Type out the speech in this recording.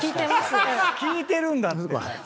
聞いてるんだって！